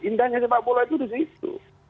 indahnya sepak bola itu di situ